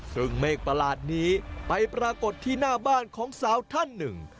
ซึ่งเมฆประหลาดนี้ไปปรากฏที่หน้าบ้านของสาวท่านหนึ่ง